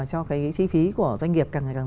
cho cái chi phí của doanh nghiệp càng càng